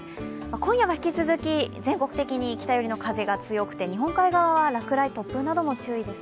今夜は引き続き、全国的に北寄りの風が強くて、日本海側は落雷、突風なども注意です。